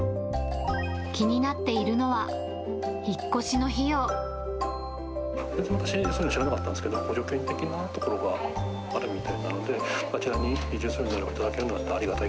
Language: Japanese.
気になっているのは、引っ越私はそういうの知らなかったんですけど、補助金的なところがあるみたいなので、あちらに移住するのであれ